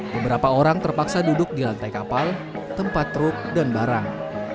beberapa orang terpaksa duduk di lantai kapal tempat truk dan barang